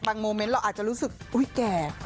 โมเมนต์เราอาจจะรู้สึกอุ๊ยแก่